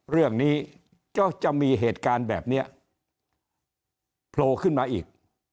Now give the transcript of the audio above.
เรื่องนี้ก็จะมีเหตุการณ์แบบนี้โผล่ขึ้นมาอีก